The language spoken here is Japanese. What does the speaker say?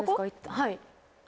はい。